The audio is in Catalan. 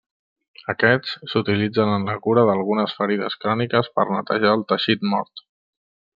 Aquests s'utilitzen en la cura d'algunes ferides cròniques per netejar el teixit mort.